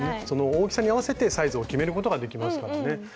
その大きさに合わせてサイズを決めることができますからね。